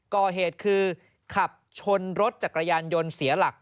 ก่อเหตุคือขับชนรถจักรยานยนต์เสียหลัก